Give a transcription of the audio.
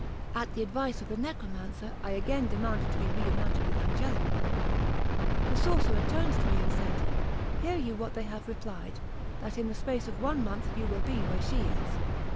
At the advice of the necromancer, I again demanded to be reunited with Angelica. The sorcerer turned to me and said: "Hear you what they have replied; that in the space of one month you will be where she is?"